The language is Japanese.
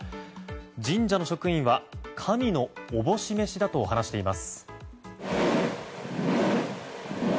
神社の職員は神の思し召しだと話しています。